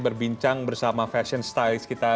berbincang bersama fashion styles kita